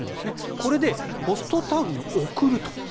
これでホストタウンに送ると。